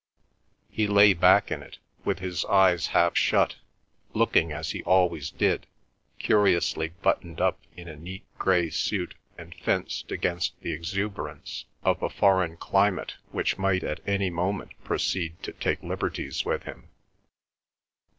He lay back in it, with his eyes half shut, looking, as he always did, curiously buttoned up in a neat grey suit and fenced against the exuberance of a foreign climate which might at any moment proceed to take liberties with him.